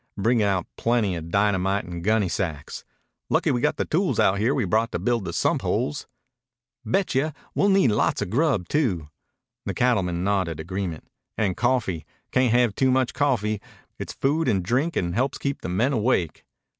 Bring out plenty of dynamite and gunnysacks. Lucky we got the tools out here we brought to build the sump holes." "Betcha! We'll need a lot o' grub, too." The cattleman nodded agreement. "And coffee. Cayn't have too much coffee. It's food and drink and helps keep the men awake."